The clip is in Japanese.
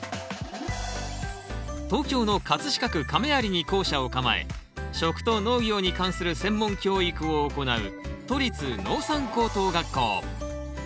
東京の飾区亀有に校舎を構え食と農業に関する専門教育を行う都立農産高等学校。